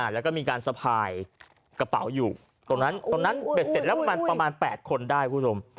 แล้วก็มีการสะพายกระเป๋าอยู่ตรงนั้นตรงนั้นเบ็ดเสร็จแล้วประมาณ๘คนได้คุณผู้ชม